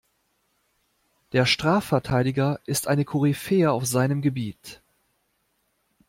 Der Strafverteidiger ist eine Koryphäe auf seinem Gebiet.